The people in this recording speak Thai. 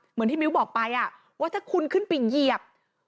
เหมือนที่มิ้วบอกไปว่าถ้าคุณขึ้นไปเหยียบ